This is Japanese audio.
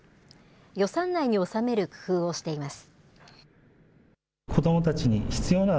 予算内に収める工夫をしています。